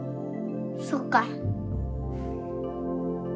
そっか。